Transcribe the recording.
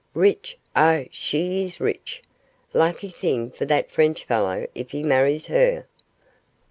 Rich! oh, she is rich! Lucky thing for that French fellow if he marries her.